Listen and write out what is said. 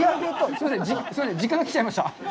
すいません、時間が来ちゃいました。